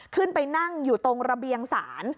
ขึ้นไปนั่งอยู่ตรงระเบียงศาล